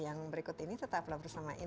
ya bagaimana nanti bisa fabulous atau cewek